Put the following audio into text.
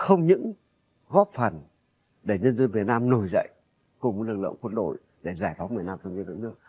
không những góp phần để nhân dân việt nam nổi dậy cùng với lực lượng quân đội để giải phóng việt nam trong những lực lượng nước